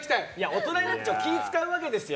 大人になったら気を使うわけですよ。